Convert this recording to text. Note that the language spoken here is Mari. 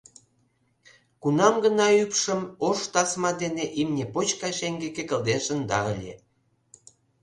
Кунам гына ӱпшым ош тасма дене имне поч гай шеҥгеке кылден шында ыле.